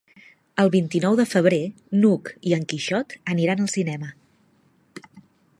El vint-i-nou de febrer n'Hug i en Quixot aniran al cinema.